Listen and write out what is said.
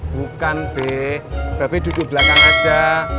bukan be bebe duduk belakang aja